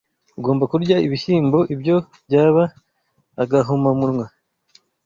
ugomba kurya ibishyimbo, ibyo byaba agahomamunwa